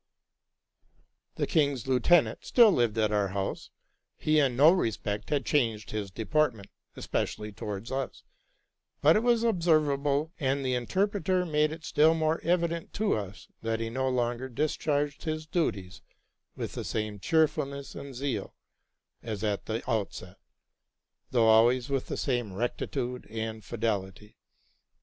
The "king's lieutenant still lived at our house. He in no respect had changed his deportment, especially towards us ; but it was observable, and the interpreter made it still more evident to us, that he no longer discharged his duties with the same cheerfulness and zeal as at the outset, though always with the same rectitude and fidelity.